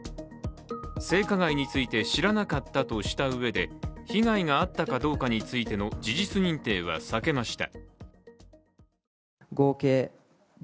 性加害について、知らなかったとしたうえで被害があったかどうかについての事実認定は避けました。